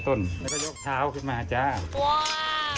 ตรงนี้ตัวนี้ใส่ต้น